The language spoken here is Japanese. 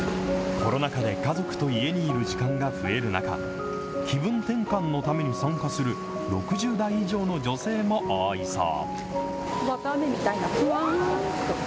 コロナ禍で家族と家にいる時間が増える中、気分転換のために参加する６０代以上の女性も多いそう。